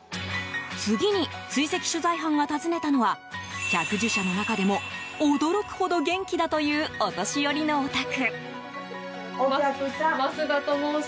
次に追跡取材班が訪ねたのは百寿者の中でも驚くほど元気だというお年寄りのお宅。